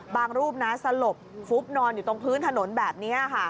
รูปนะสลบฟุบนอนอยู่ตรงพื้นถนนแบบนี้ค่ะ